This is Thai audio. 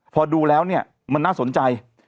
พอดูแล้วเนี่ยมันน่าสนใจ